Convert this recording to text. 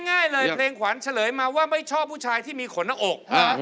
ง่ายเลยเพลงขวัญเฉลยมาว่าไม่ชอบผู้ชายที่มีขนหน้าอก